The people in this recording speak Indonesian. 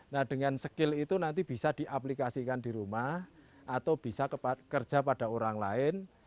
nah dengan skill itu nanti bisa diaplikasikan di rumah atau bisa kerja pada orang lain